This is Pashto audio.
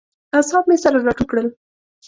اعصاب مې سره راټول کړل.